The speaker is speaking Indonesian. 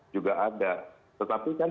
juga ada tetapi kan